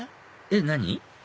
えっ？何？